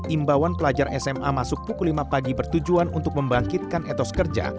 imbauan pelajar sma masuk pukul lima pagi bertujuan untuk membangkitkan etos kerja